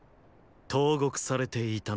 投獄されていたのだ。